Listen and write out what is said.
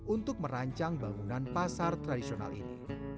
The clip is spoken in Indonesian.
untuk merancang bangunan pasar tradisional ini